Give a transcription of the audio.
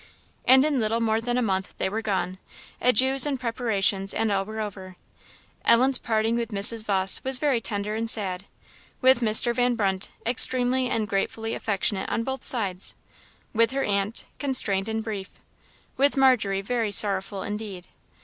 And in little more than a month they were gone; adieus and preparations and all were over. Ellen's parting with Mrs. Vawse was very tender and very sad; with Mr. Van Brunt, extremely and gratefully affectionate on both sides; with her aunt, constrained and brief; with Margery very sorrowful indeed.